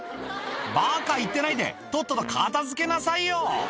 ばか言ってないで、とっとと片づけなさいよ！